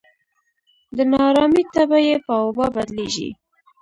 د نا ارامۍ تبه یې په وبا بدلېږي.